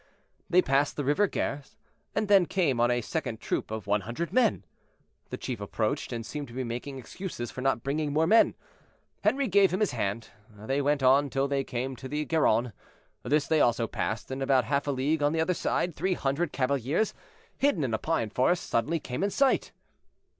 They passed the river Gers, and then came on a second troop of one hundred men; the chief approached, and seemed to be making excuses for not bringing more men. Henri gave him his hand. They went on till they came to the Garonne; this they also passed, and about half a league on the other side, three hundred cavaliers, hidden in a pine forest, suddenly came in sight.